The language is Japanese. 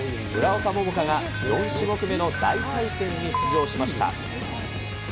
村岡桃佳が４種目目の大回転に出場しました。